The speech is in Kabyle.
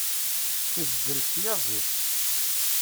Tezdel tyaẓiḍt.